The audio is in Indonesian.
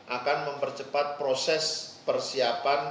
akan mempercepat proses persiapan